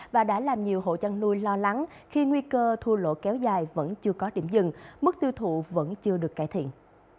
và đã làm nhiều hộ chăn nuôi lo lắng khi nguy cơ thua lỗ kéo dài vẫn chưa có điểm dừng mức tiêu thụ vẫn chưa được cải thiện